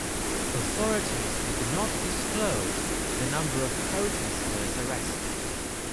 Authorities did not disclose the number of protesters arrested.